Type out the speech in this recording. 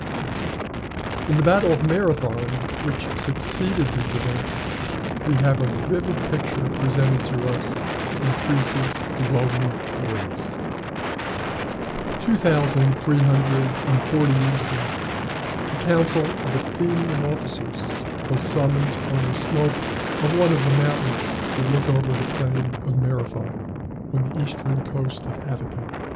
] In the battle of Marathon, which succeeded these events, we have a vivid picture presented to us in Creasy's glowing words: Two thousand three hundred and forty years ago a council of Athenian officers was summoned on the slope of one of the mountains that look over the plain of Marathon, on the eastern coast of Attica.